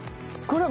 これ。